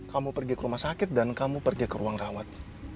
kamu pergi ke rumah sakit dan kamu pergi ke ruang rawat